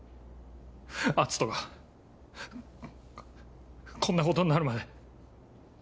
篤斗がこんなことになるまで。